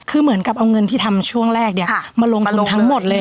คือเหมือนกับเอาเงินที่ทำช่วงแรกเนี่ยมาลงทั้งหมดเลย